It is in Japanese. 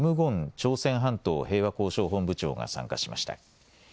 朝鮮半島平和交渉本部長が参加しました。